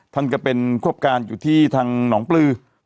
ท่านกระเป็นควบการย์อยู่ที่น้องปลื้อ